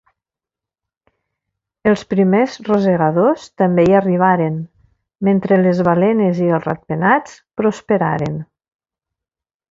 Els primers rosegadors també hi arribaren, mentre les balenes i els rat-penats prosperaren.